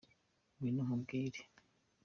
ngwino nkubwire